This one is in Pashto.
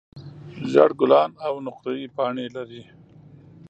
زېړ ګلان او نقریي پاڼې لري.